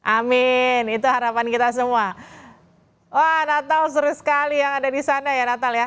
amin itu harapan kita semua wah natal seru sekali yang ada di sana ya natal ya